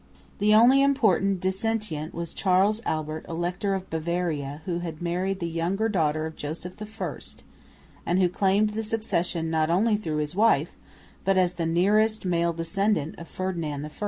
The only important dissentient was Charles Albert, Elector of Bavaria, who had married the younger daughter of Joseph I and who claimed the succession not only through his wife, but as the nearest male descendant of Ferdinand I.